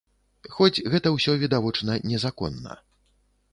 Хоць гэта ўсё відавочна незаконна.